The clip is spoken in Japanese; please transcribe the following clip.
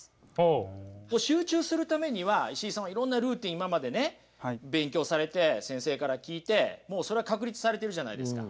集中するためには石井さんはいろんなルーチン今まで勉強されて先生から聞いてもうそれは確立されてるじゃないですか。